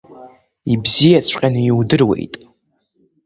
Ибзиаҵәҟьаны иудыруеит!